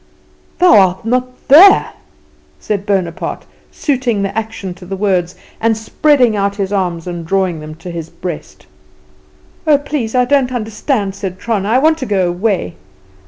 Thou art not there!" said Bonaparte, suiting the action to the words, and spreading out his arms and drawing them to his breast. "Oh, please, I don't understand," said Trana, "I want to go away."